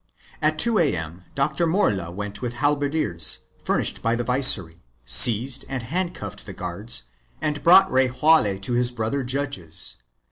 At 2 A.M. Dr. Morla went with halberdiers furnished by the viceroy, seized and handcuffed the guards and brought Rejaule to his brother judges.